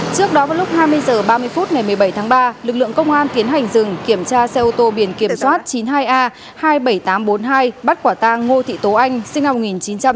trước đó vào lúc hai mươi h ba mươi phút ngày một mươi bảy tháng ba lực lượng công an tiến hành dừng kiểm tra xe ô tô biển kiểm soát chín mươi hai a hai mươi bảy nghìn tám trăm bốn mươi hai bắt quả tang ngô thị tố anh sinh năm một nghìn chín trăm tám mươi